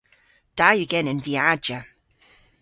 Da yw genen viajya.